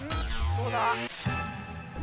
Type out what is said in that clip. どうだ？